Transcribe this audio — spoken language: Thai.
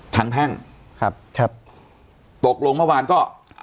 ทางแท่งครับตกลงเมื่อวานก็